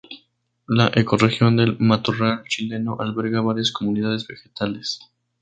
La ecorregión del matorral chileno alberga varias comunidades vegetales.